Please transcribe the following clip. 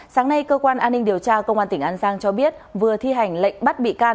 sáng nay cơ quan an ninh điều tra công an tỉnh an giang cho biết vừa thi hành lệnh bắt bị can